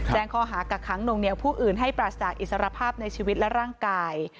แจ้งข้อหากักค้างนวงเหนียวผู้อื่นให้ปราศจากอิสรภาพในชีวิตและร่างกาย